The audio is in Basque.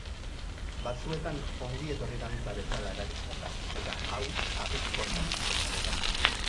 Batzuetan ongietorri-dantza bezala erabiltzen da eta hau abegikortasun seinale da.